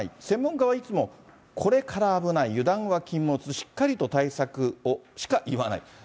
専門家はいつも、これから危ない、油断は禁物、しっかりと対策をしか言わない。